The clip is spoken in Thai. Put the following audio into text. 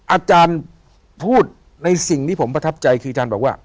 อาจารย์พูดในสิ่งที่ผมประทับใจคืออาจารย์บอกว่า